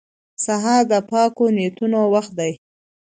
سهار د پاکو نیتونو وخت دی.